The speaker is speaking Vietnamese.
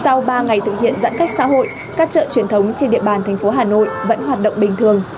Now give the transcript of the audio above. sau ba ngày thực hiện giãn cách xã hội các chợ truyền thống trên địa bàn thành phố hà nội vẫn hoạt động bình thường